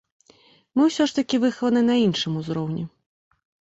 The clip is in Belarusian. Мы ўсё ж такі выхаваныя на іншым узроўні.